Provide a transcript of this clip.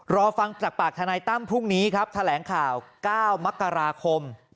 รอฟังจากปากทนายตั้มพรุ่งนี้ครับแถลงข่าว๙มกราคม